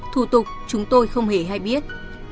thủ tục chúng tôi không hề hay biết